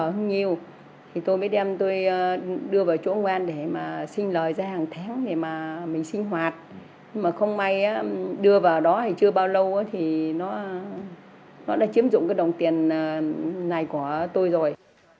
thế đưa vào đó hay chưa bao lâu thì nó đã chiếm dụng cái đồng tiền này của tôi rồi